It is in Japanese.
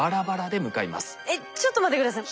えっちょっと待って下さい。